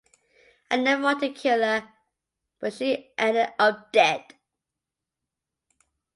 I never wanted to kill her, but she ended up dead.